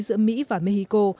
giữa mỹ và mexico